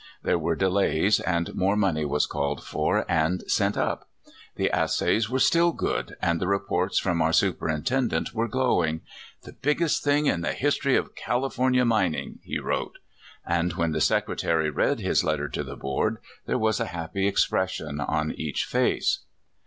There were Mr MINING SPECULATION. 163 delays, and more money was called for, and sent up. The assays were still good, and the reports from our superintendent were glowing. " The biggest thing in the history of California mining," he wrote; and when the secretary read his letter to the board, there was a happy expression on each face.